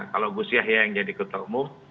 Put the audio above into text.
kalau gus yahya yang jadi ketua umum